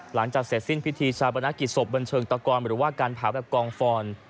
หลังจากเสร็จสิ้นพิธีชาปนกิจศพบันเชิงตะกรหรือว่าการเผาแบบกองฟอน